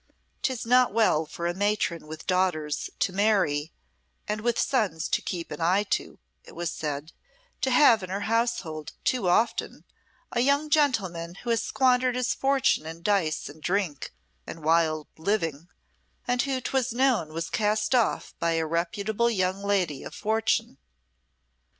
"'Tis not well for a matron with daughters to marry and with sons to keep an eye to," it was said, "to have in her household too often a young gentleman who has squandered his fortune in dice and drink and wild living, and who 'twas known was cast off by a reputable young lady of fortune."